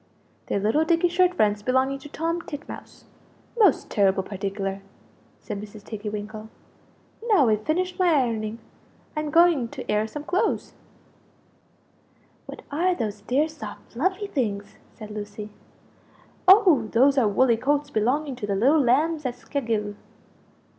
"They're little dicky shirt fronts belonging to Tom Titmouse most terrible particular!" said Mrs. Tiggy winkle. "Now I've finished my ironing; I'm going to air some clothes." "What are these dear soft fluffy things?" said Lucie. "Oh those are woolly coats belonging to the little lambs at Skelghyl."